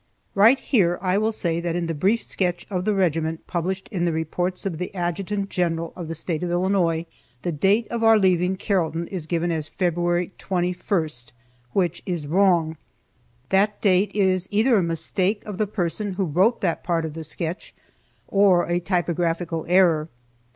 Right here I will say that in the brief sketch of the regiment published in the reports of the Adjutant General of the State of Illinois, the date of our leaving Carrollton is given as February 21, which is wrong. That date is either a mistake of the person who wrote that part of the sketch, or a typographical error.